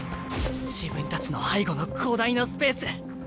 自分たちの背後の広大なスペース。